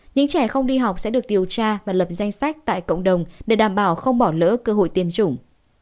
những trẻ không đi học sẽ được điều tra và lập danh sách tại cộng đồng để đảm bảo không bỏ lỡ cơ hội tiêm chủng